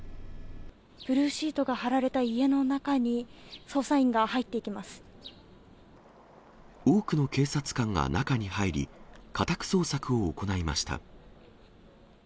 ブルーシートが張られた家の多くの警察官が中に入り、家宅捜索を行いました。